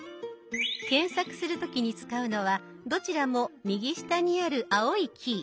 検索する時に使うのはどちらも右下にある青いキー。